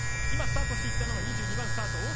今、スタートしていったのは２２番スタート